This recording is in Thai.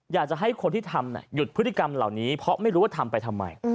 อยากจะให้คนที่ทำหยุดพฤติกรรมเหล่านี้เพราะไม่รู้ว่าทำไปทำไม